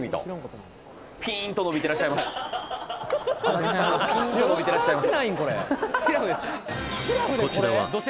安達さんピーンと伸びてらっしゃいます